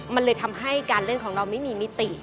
มันเลยทำให้การเล่นของเราไม่มีมิติ